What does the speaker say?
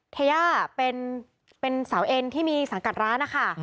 เทย่าเป็นสาวเอ็นที่มีสังกัดร้านนะคะ